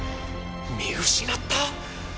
見失った？